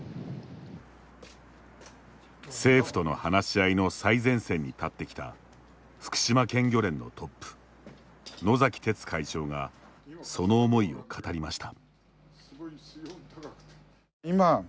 政府との話し合いの最前線に立ってきた福島県漁連のトップ野崎哲会長がその思いを語りました。